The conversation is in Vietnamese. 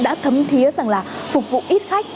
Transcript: đã thấm thiết rằng là phục vụ ít khách